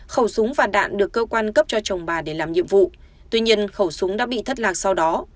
khẩu súng và đạn được cơ quan cấp cho chồng bà để làm nhiệm vụ tuy nhiên khẩu súng đã bị thất lạc sau đó